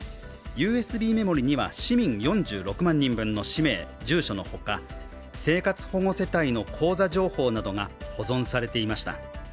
ＵＳＢメモリーには市民４６万人分の氏名・住所のほか生活保護世帯の口座情報などが保存されていました。